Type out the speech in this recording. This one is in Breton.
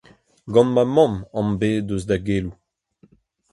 Gant ma mamm am bez eus da geloù.